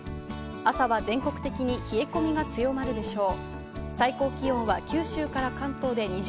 朝は全国的に冷え込みが強まるでしょう。